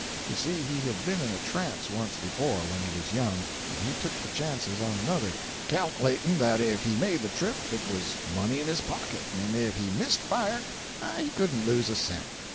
You see he had been in a trance once before, when he was young, and he took the chances on another, cal'lating that if he made the trip it was money in his pocket, and if he missed fire he couldn't lose a cent.